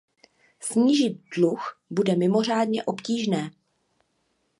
Snížit dluh bude mimořádně obtížně.